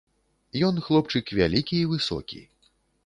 Ён хлопчык вялікі і высокі.